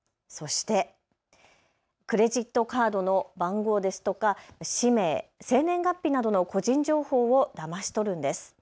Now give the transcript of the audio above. そしてクレジットカードの番号ですとか氏名、生年月日などの個人情報をだまし取るんです。